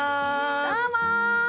どうも！